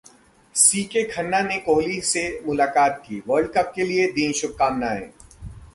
C K Khanna ने कोहली से मुलाकात की, वर्ल्ड कप के लिए दीं शुभकामनाएं